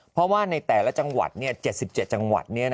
เพราะว่าในแต่ละจังหวัด๗๗จังหวัด